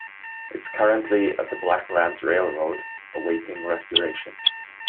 It's currently at the Blacklands Railroad awaiting restoration.